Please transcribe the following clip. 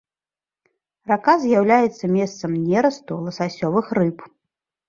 Рака з'яўляецца месцам нерасту ласасёвых рыб.